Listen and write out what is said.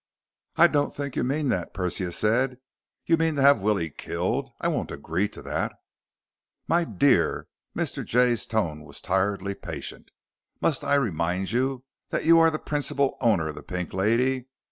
"I don't think you mean that," Persia said. "You mean to have Willie killed. I won't agree to that." "My dear." Mr. Jay's tone was tiredly patient. "Must I remind you that you are the principal owner of the Pink Lady?